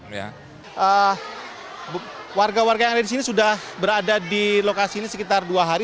warga warga yang ada di sini sudah berada di lokasi ini sekitar dua hari